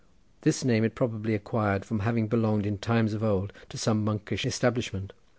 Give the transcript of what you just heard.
This name it probably acquired from having belonged in times of old to some monkish establishment.